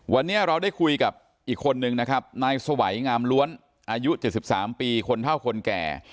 วันนี้เราได้คุยกับอีกคนนึงนะครับนายสวัยงามล้วนอายุ๗๓ปีคนเท่าคนแก่